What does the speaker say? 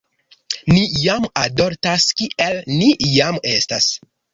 "Ni jam adoltas kiel ni jam estas."